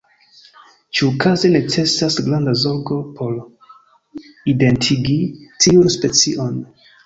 Ĉiukaze necesas granda zorgo por identigi tiun specion.